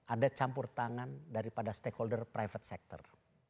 ada campur tangan daripada stakeholder private sector